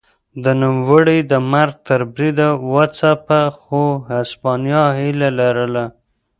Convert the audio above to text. نوموړی یې د مرګ تر بریده وځپه خو هسپانیا هیله لرله.